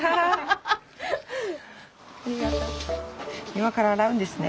今から洗うんですね。